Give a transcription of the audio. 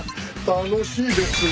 楽しいですよ。